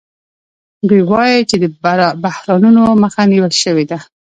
دوی وايي چې د بحرانونو مخه نیول شوې ده